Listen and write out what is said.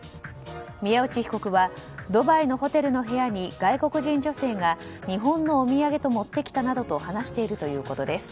宮内被告はドバイのホテルの部屋に外国人女性が日本のお土産と持ってきたなどと話しているということです。